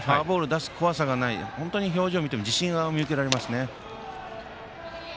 出す怖さがない本当に表情を見ても自信が見受けられますね。